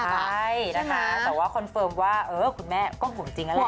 ใช่นะคะแต่ว่าคอนเฟิร์มว่าเออคุณแม่ก็ห่วงจริงนั่นแหละ